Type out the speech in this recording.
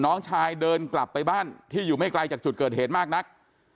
น้องชายเดินกลับไปบ้านที่อยู่ไม่ไกลจากจุดเกิดเหตุมากนัก